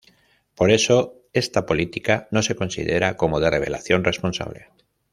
Por eso esta política no se considera como de revelación responsable.